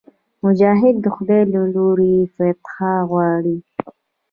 مجاهد د خدای له لورې فتحه غواړي.